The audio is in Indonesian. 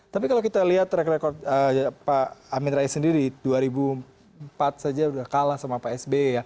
tapi kalau kita lihat track record pak amin rais sendiri dua ribu empat saja sudah kalah sama pak sby ya